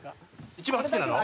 一番好きなの？